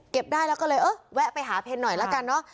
ได้แล้วก็เลยเออแวะไปหาเพนหน่อยละกันเนอะ